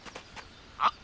あっ！